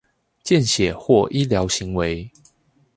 見血或醫療行為